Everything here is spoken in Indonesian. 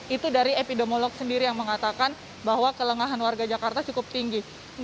itu dari epidemiolog sendiri yang mengatakan bahwa kelengahan warga jakarta cukup tinggi